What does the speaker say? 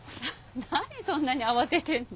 何そんなに慌ててんの？